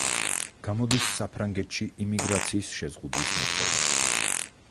გამოდის საფრანგეთში იმიგრაციის შეზღუდვის მოთხოვნით.